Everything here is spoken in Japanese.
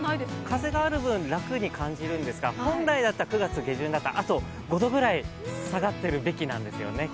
風がある分、楽に感じるんですが本来だったら９月下旬だったらあと５度ぐらい気温が下がってるべきなんですよね。